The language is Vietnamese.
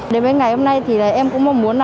đến với ngày hôm nay thì em cũng mong muốn